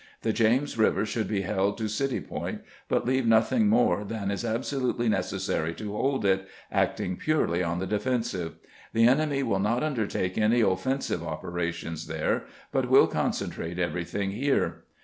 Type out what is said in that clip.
The James Eiver should be held to City Point, but leave nothing more than is absolutely necessary to hold it, acting purely on the defensive. The enemy will not undertake any offensive operations there, but will con centrate everything here."